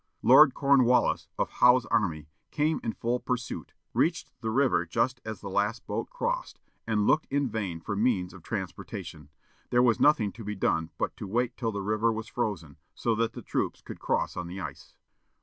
Lord Cornwallis, of Howe's army, came in full pursuit, reached the river just as the last boat crossed, and looked in vain for means of transportation. There was nothing to be done but to wait till the river was frozen, so that the troops could cross on the ice.